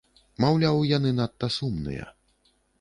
Маўляў, яны надта сумныя.